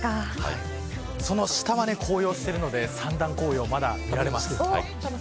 その下は紅葉しているので３段紅葉まだ見られます。